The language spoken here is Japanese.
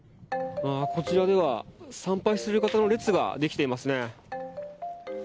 こちらでは、参拝する方の列ができていますね。